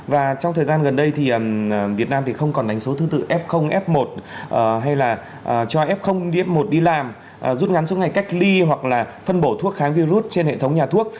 và trong thời gian gần đây thì việt nam thì không còn đánh số thương tự f f một hay là cho f f một đi làm rút ngắn số ngày cách ly hoặc là phân bổ thuốc kháng virus trên hệ thống nhà thuốc